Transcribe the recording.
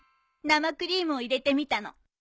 生クリームを入れてみたの。